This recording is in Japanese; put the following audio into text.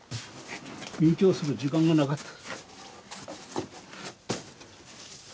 勉強する時間がなかった。